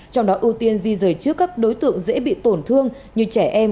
trong đó ưu tiên di rời trước các đối tượng dễ bị tổn thương như trẻ em